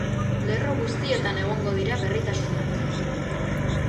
Lerro guztietan egongo dira berritasunak.